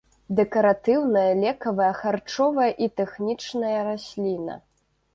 Дэкаратыўная, лекавая, харчовая і тэхнічная расліна.